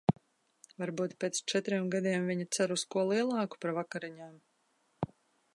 Varbūt pēc četriem gadiem viņa cer uz ko lielāku par vakariņām?